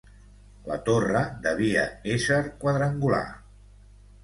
La torre devia ésser quadrangular.